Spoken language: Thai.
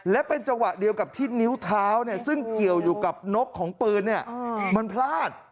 และเป็นจังหวะเดียวกับที่นิ้วเท้าซึ่งเกี่ยวอยู่กับนกของปืนมันพลาด